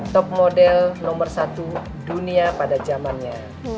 top model nomor satu dunia pada zamannya